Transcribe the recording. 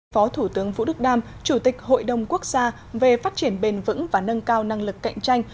phó thủ tướng vũ đức đam chủ tịch hội đồng quốc gia về phát triển bền vững và nâng cao năng lực cạnh tranh